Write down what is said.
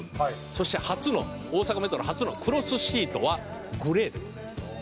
「そして初の大阪メトロ初のクロスシートはグレーでございます。